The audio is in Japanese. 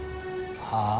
はあ？